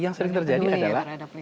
yang sering terjadi adalah